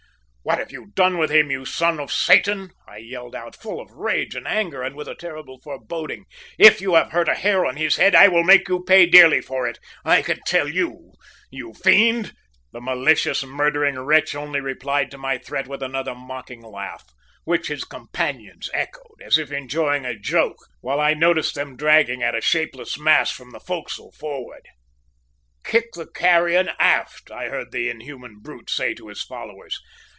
"`What have you done with him, you son of Satan?' I yelled out, full of rage and anger, and with a terrible foreboding. `If you have hurt a hair of his head I will make you pay dearly for it, I can tell you, you fiend!' "The malicious, murdering wretch only replied to my threat with another mocking laugh, which his companions echoed, as if enjoying a joke, while I noticed them dragging at a shapeless mass from the forecastle forwards. "`Kick the carrion aft!' I heard the inhuman brute say to his followers.